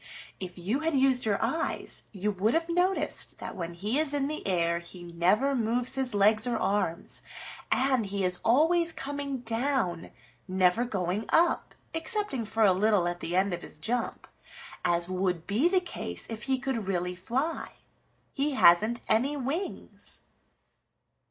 If you had used your eyes you would have noticed that when he is in the air he never moves his legs or arms, and he is always coming down, never going up, excepting for a little at the end of his jump, as would be the case if he could really fly. He hasn't any wings."